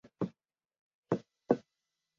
锥序丁公藤是旋花科丁公藤属的植物。